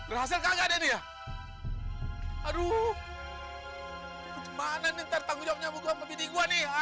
berhasil kagak dia aduh mana ntar tanggung jawabnya bukuan kebidi gua nih ah